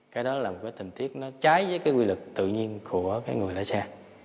cái đó là một cái tình tiết nó trái với cái quy lực tự nhiên của cái người lái xe